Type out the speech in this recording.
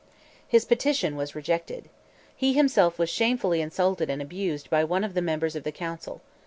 His petition was rejected. He himself was shamefully insulted and abused by one of the members of the council.